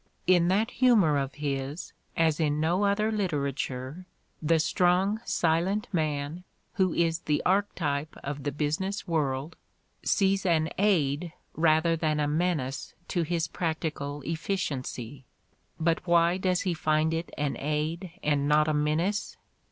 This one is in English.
In that humor of his, as in no other literature, the "strong, silent man" who is the archtype of the business world, sees an aid rather ' than a menace to his practical efficiency. But why does he find it an aid and not a menace?